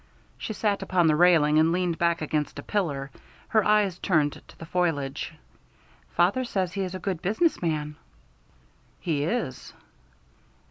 She sat upon the railing and leaned back against a pillar, her eyes turned to the foliage. "Father says he is a good business man." "He is."